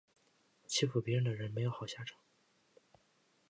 欺负别人的人没有好下场